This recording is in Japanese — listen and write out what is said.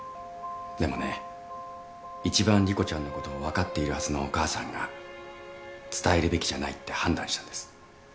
でもね一番莉子ちゃんのことを分かっているはずのお母さんが伝えるべきじゃないって判断したんです。